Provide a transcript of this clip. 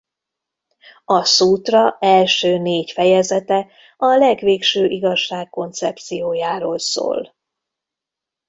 A szútra első négy fejezete a legvégső igazság koncepciójáról szól.